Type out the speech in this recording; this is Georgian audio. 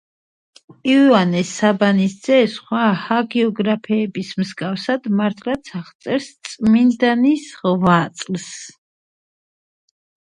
მისმა ამგვარმა გადაწყვეტილებამ მისი მაზლი, გლოსტერის ჰერცოგი ჰამფრეი პლანტაგენეტი საშინლად განარისხა.